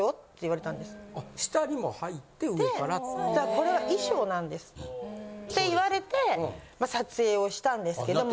「これは衣装なんです」って言われて撮影をしたんですけども。